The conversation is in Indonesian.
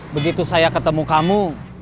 begitu saya ketemu kamu